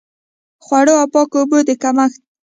خوړو او پاکو اوبو د کمښت.